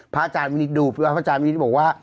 อาจารย์มินิษฐ์ดูพระอาจารย์มินิษฐ์บอกว่า